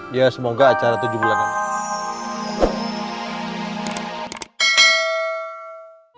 iya semoga acara tujuh bulanannya